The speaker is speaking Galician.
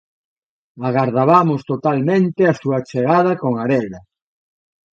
Agardabamos totalmente a súa chegada con arela.